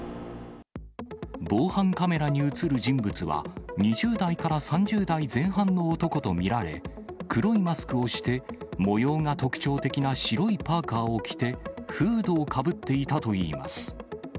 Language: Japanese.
防犯カメラに写る人物は、２０代から３０代前半の男と見られ、黒いマスクをして、模様が特徴的な白いパーカーを着て、フードをかぶっていたといいます。